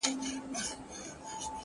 ته دې هره ورځ و هيلو ته رسېږې-